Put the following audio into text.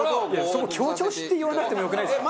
そこ強調して言わなくてもよくないですか？